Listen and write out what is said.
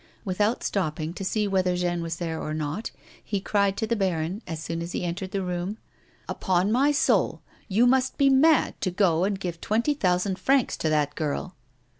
Without stopping to see whether Jeanne was there or not, he cried to the baron, as soon as he entered the room :" Upon my soul you must be mad to go and give twenty thousand francs to that girl